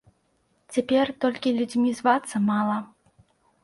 Цяпер толькі людзьмі звацца мала.